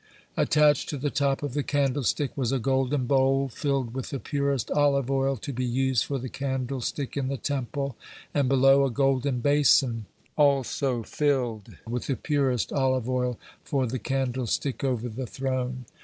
Attached to the top of the candlestick was a golden bowl filled with the purest olive oil, to be used for the candlestick in the Temple, and below, a golden basin, also filled with the purest olive oil, for the candlestick over the throne.